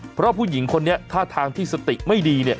เพราะผู้หญิงคนนี้ท่าทางที่สติไม่ดีเนี่ย